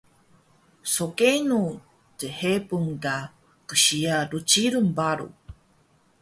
So kenu chepun ka qsiya rcilung paru?